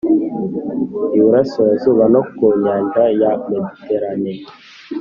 iburasirazuba no ku nyanja ya mediterane